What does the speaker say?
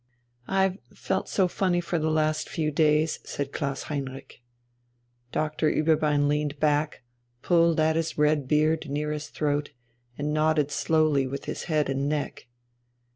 "I've felt so funny for the last few days," said Klaus Heinrich. Doctor Ueberbein leaned back, pulled at his red beard near his throat, and nodded slowly with his head and neck.